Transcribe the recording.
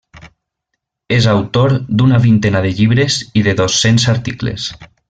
És autor d'una vintena de llibres i de dos-cents articles.